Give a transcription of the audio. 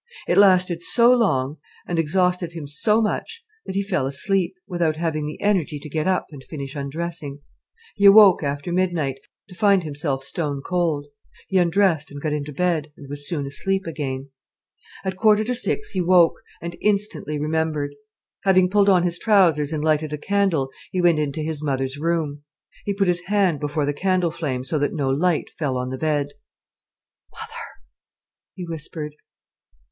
It lasted so long, and exhausted him so much, that he fell asleep, without having the energy to get up and finish undressing. He awoke after midnight to find himself stone cold. He undressed and got into bed, and was soon asleep again. At a quarter to six he woke, and instantly remembered. Having pulled on his trousers and lighted a candle, he went into his mother's room. He put his hand before the candle flame so that no light fell on the bed. "Mother!" he whispered.